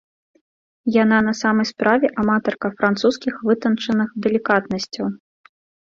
Яна на самай справе аматарка французскіх вытанчаных далікатнасцяў.